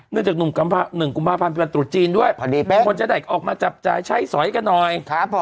จาก๑กุมภาพันธ์เป็นวันตรุษจีนด้วยควรจะได้ออกมาจับจ่ายใช้สอยกันหน่อย